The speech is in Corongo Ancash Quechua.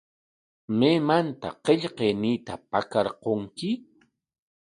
¿Maymantaq qillqayniita pakarqurki?